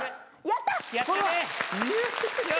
やったね。